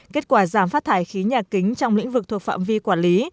kết quả giảm phát thải khí nhà kính trong lĩnh vực thuộc phạm vi quản lý